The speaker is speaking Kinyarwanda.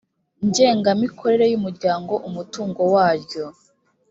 ngengamikorere y umuryango umutungo waryo